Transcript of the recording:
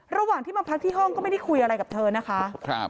ระหว่างที่มาพักที่ห้องก็ไม่ได้คุยอะไรกับเธอนะคะ